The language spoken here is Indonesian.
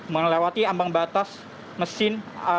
melewati ambang batas mesin